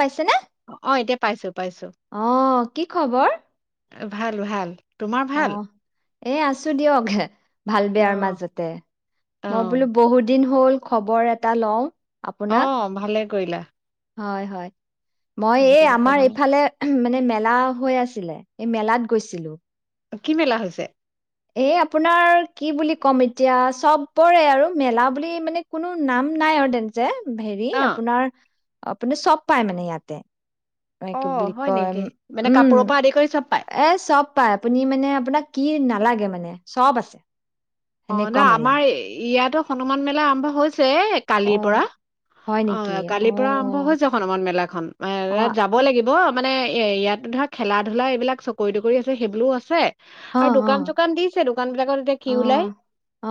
পাইছেনে? অ এতিয়া পাইছোঁ পাইছোঁ অ', কি খবৰ? ভাল ভাল তোমাৰ ভাল? অ', এ আছোঁ দিয়ক হে। ভাল অ', বেয়াৰ মাজতে, মই বোলো অ', বহুত দিন হ'ল খবৰ এটা লওঁ। আপোনাক। অ', ভালে। কৰিলা হয় হয়। মই বহুতে এই মুখৰ আমাৰ মানে এইফালে মানে, মেলা হৈ আছিলে এই মেলাত গৈছিলো। কি মেলা হৈছে, এ আপোনাৰ কি বুলি ক'ম এতিয়া চব পৰে আৰু মেলা বুলি মানে কোনো নাম নাই আৰু তেনেকে, হেৰি অ', আপোনাৰ, আপুনি চব পাই মানে ইয়াতে, কি অ', বুলি হয় কয় নেকি? মানে উম কাপোৰৰ পৰা আদি কৰি চব পায়? এ চব পাই আপুনি মানে আপোনাক, কি নালাগে মানে চব আছে। অ' সেনেকুৱা নহ মেলা। আমাৰ ইয়াতো, হনুমান মেলা আৰম্ভ হৈছে। অ কালিৰ পৰা হয় নেকি অ অ কালিৰ পৰা আৰম্ভ হৈছে হনুমান মেলা খন অ তাত যাব লাগিব। মানে এ ইয়াত ধৰা খেলা ধলা এইবিলাক চকৰি তকৰি আছে সেইবিলোও আছে অ আৰু অ দোকান চোকান দিছে দোকান বিলাকত এতিয়া অ কি ওলাই। অ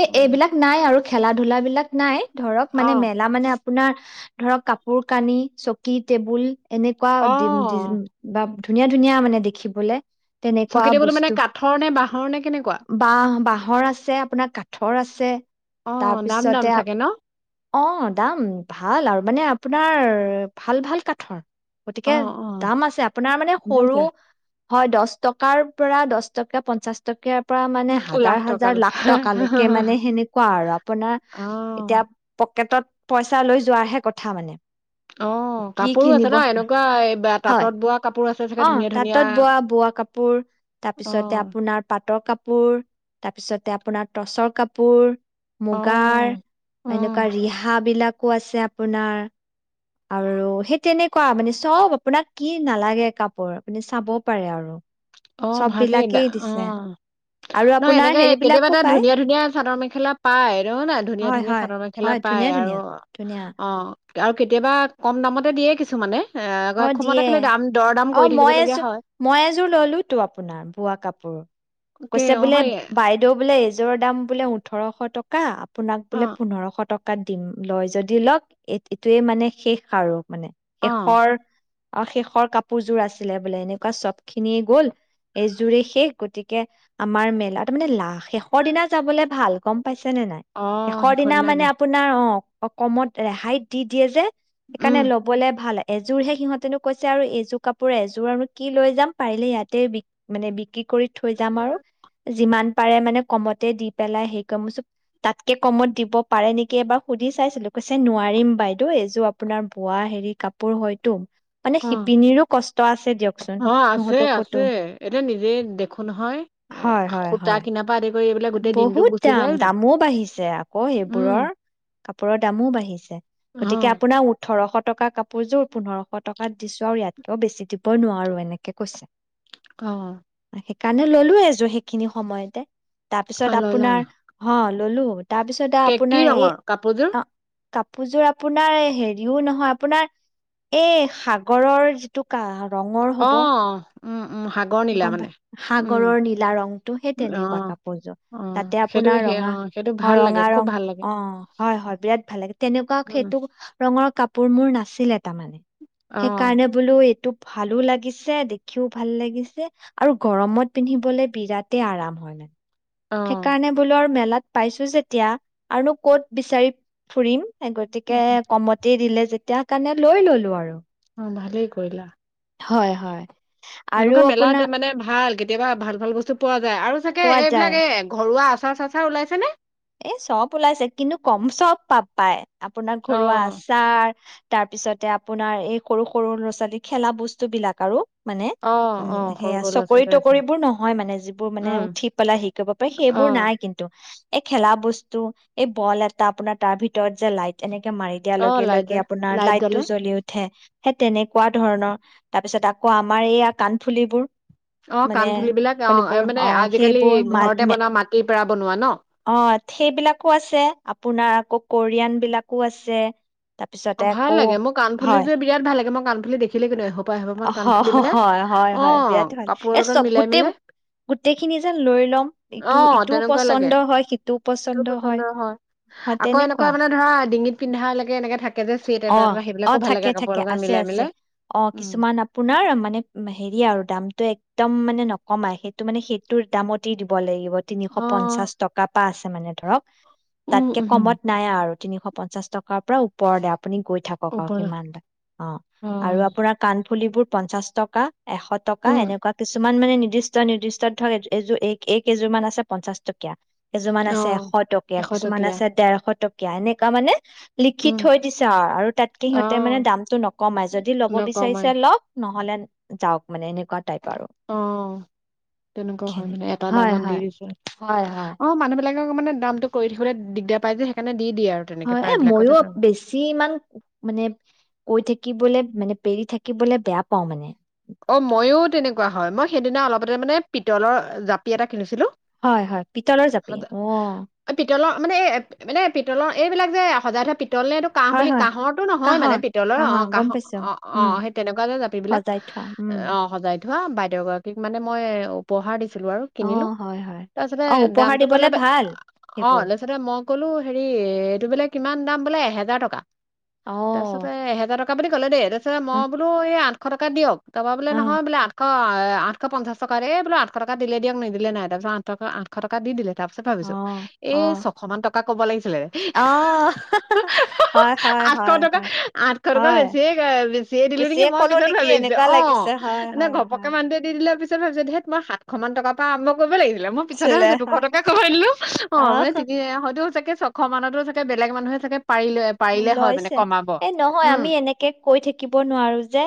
এই এইবিলাক নাই আৰু খেলা ধূলা লৰা বিলাক নাই ধৰক মানে অ'। মেলা মানে আপোনাৰ ধৰক কাপোৰ কানি চকী টেবুল এনেকুৱা দিম দিচ অ বাবত ধুনীয়া ধুনীয়া মানে দেখিবলৈ তেনেকুৱা চকী টেবুল মানে বস্তু কাঠৰ নে বাঁহৰ নে কেনেকুৱা বা বাহৰ আছে আপোনাৰ কাঠৰ আছে অ দাম দাম তাৰপিছতে চাগে ন অহ' দাম ভাল আৰু মানে আপোনাৰ ভাল ভাল কাঠৰ অ গতিকে অ দাম আছে আপোনাৰ মানে সৰু বুজাইছে হয় দহ টকাৰ পৰা দহ টকা পঞ্চাশ টকীয়া পৰা মানে হাজাৰ লাখ হাজাৰ টকালৈকে লাখ টকালৈকে মানে সেনেকুৱা আৰু আপোনাৰ অ এতিয়া পকেটত পইচা লৈ যোৱাৰ হে কথা মানে অ' কি কাপোৰো আছে কিনিব ন এনেকুৱা এই তাঁতত বোৱা কাপোৰ আছে। চাগে অহ' ধুনীয়া ধুনীয়া তাতত বোৱা, বোৱা কাপোৰ অ তাৰপিছতে আপোনাৰ পাট পাতৰ কাপোৰ তাৰপিছতে আপোনাৰ টচৰ কাপোৰ অ মুগাৰ, অ এনেকুৱা ৰিহা বিলাক কো আছে আপোনাৰ আৰু সেই তেনেকুৱা মানে চ'ব আপোনাক কি নালাগে কাপোৰ মানে চাবও পাৰে আৰু অ ভালেই চববিলাকেই অ দিছে। আৰু নাই আপোনাৰ এনেকে কেতিয়াবা হেৰিবিলাকো তাত পায় ধুনীয়া ধুনীয়া চাদৰ মেখেলা পায় ন নাই ধুনীয়া হয় ধুনীয়া হয় চাদৰ মেখেলা হয় পায় ধুনীয়া আৰু ধুনীয়া ধুনীয়া অ আৰু কেতিয়াবা কম দামতে দিয়ে কিছুমানে এ আকৌ অ অসমতে দিয়ে খালি দাম দৰ দাম অ কৰি মই থাকিবলগীয়া এযোৰ হয় মই এযোৰ ললো টো আপোনাৰ বোৱা কাপোৰ তাকে কৈছে অ বোলে হয় বাইদেউ বোলে এই জোৰৰ দাম বোলে ওঠৰশ টকা আপোনাক বোলে অ', পোন্ধৰশ টকা কাক দিম লয় যদি লওক এইটোৱে মানে শেষ আৰু মানে অ', এশৰ অ শেষৰ কাপোৰযোৰ আছিলে বোলে এনেকুৱা চব খিনিয়ে গল এইযোৰেই শেষ গতিকে আমাৰ মেলা তাৰ মানে লা শেষৰ দিনা যাবলে ভাল গম পাইছে নে নাই অ', শেষৰ সেইখন দিনা মানে আপোনাৰ অ' অ কমত ৰেহাইত দি দিয়ে যে, উম, সেইকাৰণে ল'বলে ভাল আ, যোৰহে সিহঁতেনো কৈছে আৰু এই এযোৰ কাপোৰ এযোৰ আৰু কি লৈ যাম পাৰিলে ইয়াতে বি মানে বিক্ৰী, কৰি থৈ যাম আৰু যিমান পাৰে মানে কমতে দি পেলাই সেই ক মোৰ তাতকে কমত দিব পাৰে নেকি এবাৰ সুধি চাইছিলো কৈছে নোৱাৰিম বাইদেউ এইযোৰ আপোনাৰ বোৱা হেৰি কাপোৰ হয়তু, তু! মানে অ', শিপিনীৰো কষ্ট, [unintelligible] অ আছে সিহঁতকোতো আছে এতিয়া নিজে দেখো নহয় এ হয় হয় সূতা হয় কিনাৰ পা আদি কৰি এইবিলাক গোটেই দিনটো বহুত গুচি দাম যায় নে দামো বাঢ়িছে আকৌ উম, এইবোৰৰ কাপোৰৰ দামো বাঢ়িছে গতিকে অ', আপোনাৰ ওঠৰশ, টকা কাপোৰযোৰ পোন্ধৰশ টকাত দিছো আৰু ইয়াতকিয়ও বেছি দিব নোৱাৰো এনেকে কৈছে, অ' সেইকাৰণে ললো এযোৰ সেইখিনি সময়তে, অ', তাৰপিছত ললা আপোনাৰ হল, ল'লো, তাৰপিছত কে, কি আপোনাৰ এই ৰঙৰ কাপোৰযোৰ? অ কাপোৰযোৰ আপোনাৰ হেৰিও নহয় আপোনাৰ এই সাগৰৰ যিটো কাহ, ৰঙৰ হ'ব অ', উম, উম, সাগৰ নীলা গম মানে পাই উম, সাগৰৰ নীলা ৰংটো সেই তেনেকুৱা অ', কাপোৰযোৰ অ', তাতে সেইটো আপোনাৰ সেই ৰঙা অ', সেইটো অ ভাল লাগে ৰঙা খুব ৰং ভাল লাগে অ হয় হয় বিৰাত ভাল লাগে তেনেকুৱা উম, সেইটো ৰঙৰ কাপোৰ মোৰ নাছিল। তাৰ মানে অ', সেইকাৰণে বোলো এইটো, ভালো লাগিছে দেখিও ভাল লাগিছে। আৰু গৰমত পিন্ধিবলে বিৰাটেই আৰাম হয় মানে, অ', সেইকাৰণে বোলো আৰু মেলাত, পাইছো যেতিয়া আৰু নো কত বিচাৰি ফুৰিম, গতিকে কমতে দিলে, তেতিয়া কাৰণে লৈ ললো আৰু, অ' ভালেই কৰিলা, হয় হয় এনেকুৱা আৰু মেলাত আপোনাৰ মানে ভাল কেতিয়াবা ভাল ভাল বস্তু পোৱা যায় আৰু চাগে। পোৱা যায় এইবিলাক এই, ঘৰুৱা আচাৰ চাচাৰ ওলাইছে নে? এ চব ওলাইছে কিন্তু কম চব পাব পায়। আপোনাৰ ঘৰুৱা অ', আচাৰ, তাৰ পিছতে আপোনাৰ এই সৰু সৰু ল'ৰা ছোৱালী খেলা বস্তু বিলাক আৰু, মানে অ', উম অ', সৰু সেয়া সৰু ল'ৰা চকৰি ছোৱালী আছে তকৰিবোৰ নহয় মানে যিবোৰ মানে উম, উঠি পেলাই হেৰি কৰিব পাৰে সেইবোৰ অ', নাই কিন্তু এই খেলা বস্তু, এই বল এটা আপোনাৰ তাৰ ভিতৰত যে লাইট এনে মাৰি দিয়াৰ অ', লগে লাইট লগে জ্বলে আপোনাৰ লাইট জ্বলে লাইটটো জ্বলি উঠে। সেই তেনেকুৱা ধৰণৰ, তাৰ পিছত আকৌ আমাৰ এইয়া কাণফুলিবোৰ অ', মানে কাণফুলিবিলাক অ', ফলিবোৰ মানে আজিকালি সেইবোৰ মা ঘৰতে বনোৱা মাটিৰ পৰা বনোৱা ন? অ', সেইবিলাকো আছে আপোনাৰ আকৌ কোৰিয়ান বিলাকো আছে। তাৰপিছতে অ', ভাল আকৌ লাগে মোৰ কাণফুলি হয় যেে বিৰাট ভাল লাগে মোক কাণ ফুলি দেখিলেই কিনো। আহ মান হয় কাণফুলি মানে হয় হয় হয় অ', বিৰাট ভাল কাপোৰৰ এই লগত চব মিলাই গোটেই মিলাই গোটেইখিনি যেন লৈ ল'ম ইটো আহ ইটোও তেনেকুৱা লাগে পচন্দ হয় সিটোও সটো পচন্দ পচন্দৰ হয় হয় আকৌ এনেকুৱা তেনেকুৱা মানে ধৰা ডিঙিত পিন্ধা লকে এনেকে থাকে চেট এটা অ এটা অ সেইবিলাকো ভাল লাগে থাকে কাপোৰৰ থাকে লগত আছে মিলাই আছে মিলাই। অ উম। কিছুমান আপোনাৰ মানে হেৰি আৰু দামটো একদম মানে নকমাই, সেইটো মানে সেইটোৰ দামতে দিব লাগিব। তিনিশ অ', পঞ্চাশ টকা পাচ মানে ধৰক উম, তাতকে উম, কমত নাই আৰু। তিনিশ পঞ্চাশ টকাৰ পৰা ওপৰৰ দাম। আপুনি গৈ থাকক আৰু ওপৰ কিমানটা, অ', আৰু অ', আপোনাৰ কানফুলিবোৰ পঞ্চাশ টকা, এশ টকা। উম, এনেকুৱা কিছুমান মানে নিৰ্দিষ্ট, নিৰ্দিষ্ট ধৰক এযোৰ এই কেইযোৰ মান আছে পঞ্চাশ টকীয়া। কেইজুৰমান আছে এশ অ'। টকীয়া, এশ কিছুমান টকীয়া আছে ডেৰশ টকীয়া কিয়া এনেকা‌ মানে। লিখি উম, থৈ দিছো আৰু, আৰু তাতকে সিহঁতে মানে অ', দামটো নকমাই যদি ল'ব নকমাই বিচাৰিছে লওক নহলে যাওক মানে এনেকুৱা টাইপ। আৰু অ', তেনেকুৱা হয় মানে, এটা হয় দামত দি হয় দিছে। অ', হয় হয় মানুহ মানুহ বিলাকক মানে দামটো কৰি থাকিবলৈ দিগদাৰ পাই যে সেইকাৰণে দি দিয়ে আৰু তেনেকে হয়, এ প্ৰায় বিলাকতে মইয়ো বেছি ইমান মানে কৈ থাকিবলে মানে পেৰি থাকিবলে বেয়া পাওঁ মানে। অ', মইয়ো তেনেকুৱা হয় মই সেইদিনা অলপতে মানে পিতলৰ জাপি এটা কিনিছিলো। হয়, হয়, পিতলৰ জাপি অ'। অ, পিতলৰ মানে এই, মানে পিতলৰ এইবিলাক যে সজাই [unintelligible] পিতল নে এইটো কাহ হয় বুলি হয় কাহৰটো নহয় মানে কাঁহৰ পিতলৰ কাঁহৰ অ', গম কাহ পাইছো অ', উম অ', সেই তেনেকুৱা যে জাপিবলাক। সজাই থোৱা উম। অ', সজাই থোৱা বাইদেউ গৰাকীক মানে মই উপহাৰ দি আৰু অ' কিনিলো, হয় হয়। তাৰ পিছতে অ' উপহাৰ দামটো কলে দিবলে অ' ভাল সেইবোৰ। তাৰপিছতে মই কলো হেৰি সেইটো বোলে কিমান দাম বোলে এহেজাৰ টকা অ'। তাৰপিছতে এহেজাৰ টকা ক বুলি ক'লে দে আ মই উম, বোলো এই আঠ এশ টকা দিয়ক তাৰপা অ' নহয় বোলে আঠশ এ আঠশ পঞ্চাশ টকাৰে বো আশটকা দিলে দিয়ক নিদিলে নাই তাৰপিছত আঠশ টকা দি দিলে তাৰ পিছত ভাবিছো অ' এই অ' ছশ মান টকা ক'ব লাগিছিলে। অ' হয় হয় আঠশ হয় টকা, হয় আঠশ টকা হয় বেছিয়ে এ বেছিয়ে দিলো নেকি মই ক'লো পিছত নেকি ভাবিছো এনেকুৱা অ লাগিছে হয় এে হয় ঘপকে হয়। মানুহে দি দিলে পিত ভাবিছো দে মইা শাতশ মান টকাৰ পৰা আৰম্ কৰিব লাগিব মই চিলে পিছাতেছো দুশ হয় টকা কমাই দিলো অ মানে তিনি হয়তো চাগে ছশ মানতো চাকে বেলেগ মানুহে চাকে লৈছে এই নহয় উম আমি এনেকে কৈ থাকিব নোৱাৰো যে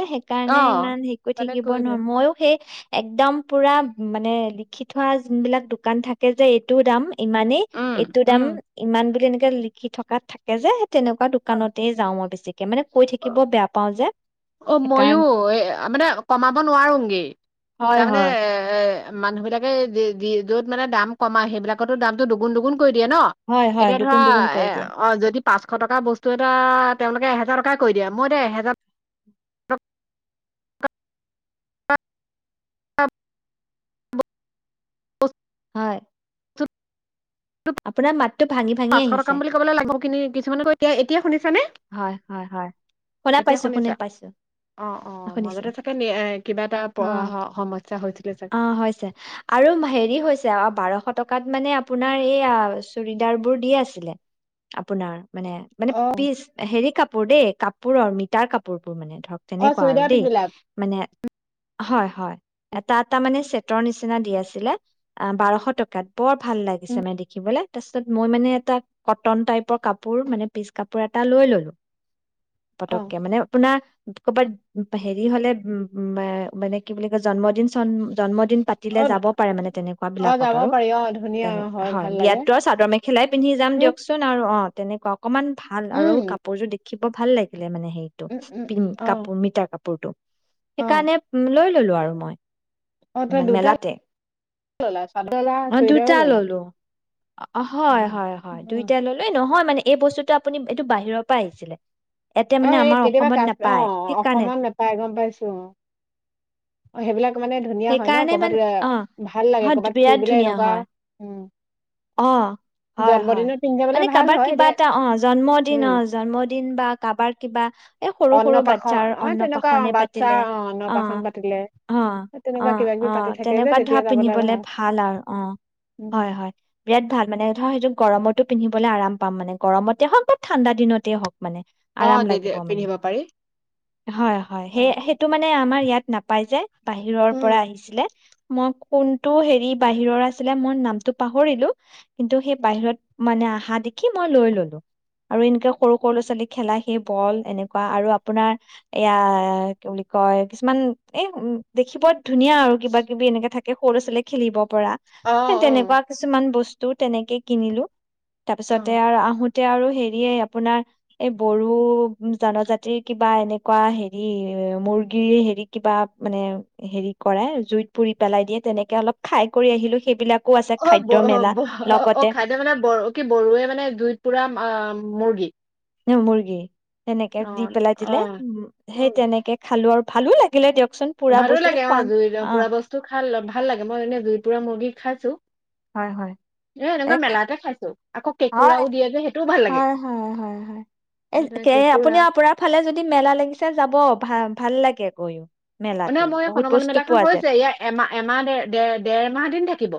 অ সেইকাৰণে ইমান হেৰি কৰি মানে থাকিব কৰিলো নোৱাৰো মইও সেই একদম পুৰা মানে লিখি থোৱা যোন বিলাক দোকান থাকে যে এইটোও দাম ইমানেই উম এইটো দাম উম ইমান বুলি এনেকে লিখি থকা তাত থাকে যে তেনেকুৱা অ দোকানতে যাওঁ মই বেছিকে তাকে মানে কৈ থাকিব বেয়া পাওঁ যে অ মইও সেইকাৰণে এ মানে কমাব নোৱাৰোগে হয় তাৰমানে হয় এ মানুহ বিলাকে য'ত মানে দাম কমাই সেইবিলাকতো দামতটো দুগুন দুগুণ দিয়ে ন হয় হয় এতিয়া ধৰা দুগুণ দুগুণ কৰি এ দিয়ে অ য পাঁচশ টকাৰ বস্তু এটা তেওঁলোকে এহেজাৰ টকাই কৈ দিয়ে মই এতিয়া এহেজাৰ অ অ হয় ত আপোনাৰ মাতটো ভাঙি ভাঙি পাঁচশ আহিছে টকাম বুলি কবলৈ লাগিব কি কিছুমানে কৈ এতিয়া শুনি হয় হয় হয় শুনা এতিয়া পাইছো শুনি শুনিছা পাইছো অ অ শুনিছো মাজতে চাগে এ কিবা এটা অ সমস্যা হৈছিলে অ চাগে হৈছে আৰু হেৰি হৈছে বাৰশ টকা টকাত মানে আপোনাৰ এইয়া চুৰিদাৰ বোৰ দি আছিলে, আপোনাৰ মানে মানে অ পিচ হেৰি কাপোৰ দেই কাপোৰৰ মিটাৰ কাপোৰবোৰ মানে। ধৰক অ তেনেকুৱা আৰু চুইদাৰ পিছ দেই বিলাক মানে, হয় হয়, এটা এটা মানে, ৰ নিচিনা দি আছিলে অ বাৰশ টকাত, বৰ ভাল লাগিছে মানে দেখিবলৈ, তাৰপিছত মই মানে এটা কটন টাইপৰ কাপোৰ মানে পিচ কাপোৰ এটা, এটা লৈ ললো। অ পতককে মানে আপোনাৰ, ক'বাত হেৰি হলে উম মানে কি বুলি কয় জন্মদিন চন্ম জন্মিন, দিন পাতিলে অ যাব পাৰে মানে তেনেকুৱা অ বিলাকত যাব আৰু পাৰি অ ধুনীয়া তেনে হয় ভাল লাগে বিয়াততো চাদৰ মেখেলাই পিন্ধি যাম উম দিয়কচোন আৰু অ' তেনেকুৱা অকমান, ভাল আৰু কাপোৰযোৰ দে [unintelligible] ভাল লাগে। মানে হেৰিটো উম উম [unintelligible] অ কাপোৰ মিটা কাপোৰ। কাপোৰটো অ সেইকাৰণে লৈ ললো আৰু মই। অ তই দুটা মেলাতে। ললা চাদৰ ললা অ' চুইদাৰো দুটা ললা ললো। হয় উম, হয় হয়। উম। দুইটা ললো, নহয় মানে এই বস্তুটো আপুনি এইটো বাহিৰৰ পৰা আহিছিলে। ইয়াতে অ' মানে এই আমাৰ কেতিয়াবা অসমত কাশ্মীৰ নাপায় অ' সেইকাৰণে অসমত নাপাই গম পাইছো অ'। অ' সেইবিলাক মানে ধুনীয়া হয় ন সেইকাৰণে মানে কৰবাত অ ভাল লাগে হয় কৰবাত বিৰাট ফুৰিবলে ধুনীয়া এনেকুৱা হয় উম। অ' হয় হয় জন্মদিনত পিন্ধি যাবলে মানে ভাল কাৰোবাৰ হয় কিবা দে এটা অ' জন্মদিন অ' উম জন্মদিন বা কাৰোবাৰ কিবা এই সৰু সৰু অন্নপ্ৰাশন বাচ্ছাৰ অ তেনেকুৱা অ অন্নপ্ৰসন্ন বাচ্ছা পাতিলে অ' অন্নপ্ৰাশন পাতিলে অ' তেনেকুৱা অ' কিবা কিবি পাতি অ' থাকে যে তেনেকুৱা ধৰা তেতিয়া যাবলে পিন্ধিবলে ভাল আৰু অ' উম হয় হয়। বিৰাট ভাল মানে ধৰা সেইটো গৰমত পিন্ধিবলৈ আৰাম পাম মানে গৰমতে হওক বা ঠাণ্ডা দিনতেই হওক। মানে অ আৰাম তেতিয়া লাগিব মানে। পিন্ধিব পাৰি হয় হয়। উম সেইটো মানে আমাৰ ইয়াত নাপাই যে, বাহিৰৰ পৰা আহিছিলে, মই কোনটো হেৰি বাহিৰৰ আছিলে মই নামটো পাহৰিলো, কিন্তু সেই বাহিৰত মানে আহা দেখি মই লৈ ললো আৰু এনকে সৰু সৰু ল'ৱা ছোৱালী খেলা সেই বল এনেকুৱা আৰু আপোনাৰ এয়া কি বুলি কয় কিছুমান এ দেখিব ধুনীয়া আৰু কিবা কিবি এনেকে থাকে সৰু ল'ৰা ছোৱালীয়ে খেলিব, পৰা অ অ তেনেকুৱা কিছুমান বস্তু, টো তেনেকে কিনিলো। তাৰপিছতে আৰু আহোত এতিয়া আৰু হেৰিয়ে, আপোনাৰ এই বড়ো জনজাতিৰ কিবা এনেকুৱা হেৰি মুৰ্গীৰ হেৰি, কিবা মানে হেৰি কৰে, জুইত পুৰি পেলাই দিয়ে তেনেকে অলপ খাই কৰি আহিলো সেইবিলাক কো আছে ব খাদ্য মেলা ব অ', অ' খাদ্য মানে ব, কি বড়োৱে মানে জুইত পুৰা মুৰ্গী এ মুৰ্গী তেনেকে অ দি পেলাই অ দিলে, উম, সেই উম তেনেকে খালোঁ আৰু ভালো লাগিলে দিয়ক। ভালো লাগে অ' জুইতে পুৰা বস্তু খাল ভাল লাগে মই এনে জুই পুৰা মুৰ্গী খাইছোঁ। হয় হয় এ এনেকুৱা এক মেলাতে খাইছোঁ। হয়, হয়, হয়, হয়, হয়, এ, তাতে কে আপুনি কেঁকুৰা আপোনাৰ ফালে যদি মেলা লাগিছে যাব ভাল ভাল লাগে গৈ। মানে মই, হনুমান মেলাখন হৈছে, ইয়াৰ এমাহ, এমাহ, দেৰ, দেৰমাহ দিন থাকিব।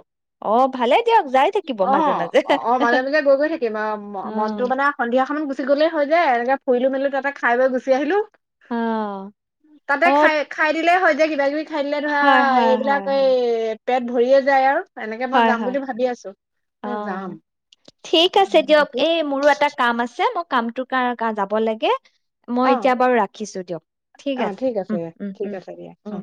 অ ভালে দিয়ক যাই থাকিব মাজে অ', মাজে অ', মাজে মাজে গৈ গৈ থাকিম অ মনটো মানে সন্ধিয়াখনত গুচি গ'লেই হয় যে এনেকে শইলো মেলো, তাতে খাই বই গুচি আহিলো। অ তাতে অ খাই দিলেই হয় যে কিবা, কিবি খাই দিলে ধৰা, হয় হয় এইবিলাক হয় এই হয় পেট ভৰিয়ে যায় আৰু। এনেকে মই হয়, যাম হয়। বুলি ভাবি আছো অ', ঠিক আছে দিয়ক, এই মোৰো এটা কাম আছে, মই কামটো কাৰ কা যাব লাগে। মই অ এতিয়া বাৰু ৰাখিছো দিয়ক, ঠিক অ আছে, উম, উম, ঠিক আছে দিয়া অ উম